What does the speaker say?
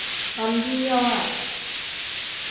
Andulinyawa.